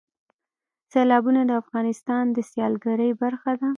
سیلابونه د افغانستان د سیلګرۍ برخه ده.